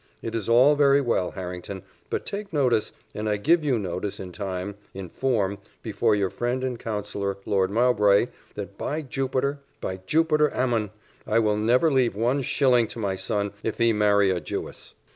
"It is all very well, Harrington but take notice, and I give you notice in time, in form, before your friend and counsellor, Lord Mowbray, that by Jupiter by Jupiter Ammon, I will never leave one shilling to my son, if he marry a Jewess!